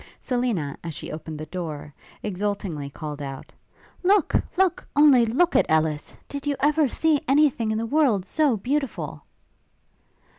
Selina, as she opened the door, exultingly called out, 'Look! look! only look at Ellis! did you ever see any thing in the world so beautiful?'